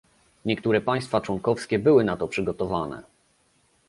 Niektóre państwa członkowskie były na to przygotowane